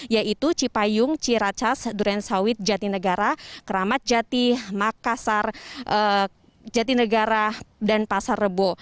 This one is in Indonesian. yaitu cipayung ciracas durensawit jatinegara keramat jati makassar jatinegara dan pasar rebo